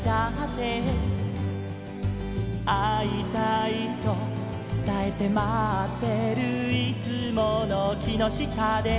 「会いたいとつたえて待ってるいつもの木の下で」